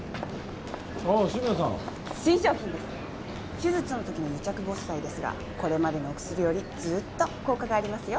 手術の時の癒着防止剤ですがこれまでのお薬よりずっと効果がありますよ。